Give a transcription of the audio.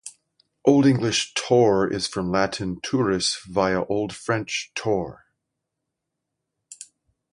Old English "torr" is from Latin "turris" via Old French "tor".